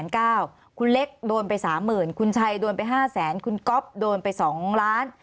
๕๙๐๐๐๐บาทคุณเล็กโดนไป๓๐๐๐๐บาทคุณชัยโดนไป๕๐๐๐๐๐บาทคุณก๊อฟโดนไป๒ล้านบาท